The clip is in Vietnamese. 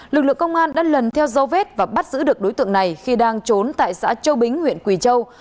lực lượng công an đã lần theo dấu vết và bắt giữ được đối tượng này khi đang trốn tại xã châu bính huyện quỳ châu